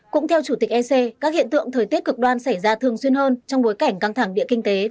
cũng theo chủ tịch ec các hiện tượng thời tiết cực đoan xảy ra thường xuyên hơn trong bối cảnh căng thẳng địa kinh tế